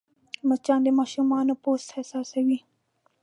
مچان د ماشومانو پوست حساسوې